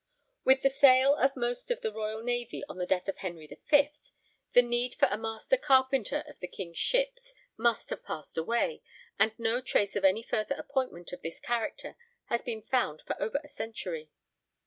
' With the sale of most of the royal navy on the death of Henry V, the need for a 'master carpenter of the King's Ships' must have passed away, and no trace of any further appointment of this character has been found for over a century.